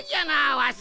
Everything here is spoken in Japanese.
わし！